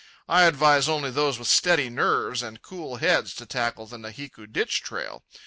I advise only those with steady nerves and cool heads to tackle the Nahiku Ditch trail.